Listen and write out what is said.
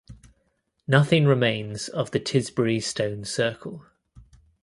Nothing remains of the Tisbury Stone Circle.